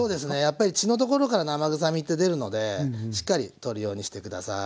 やっぱり血のところから生臭みって出るのでしっかり取るようにして下さい。